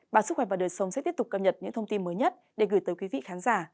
bản sức khỏe và đời sống sẽ tiếp tục cập nhật những thông tin mới nhất để gửi tới quý vị khán giả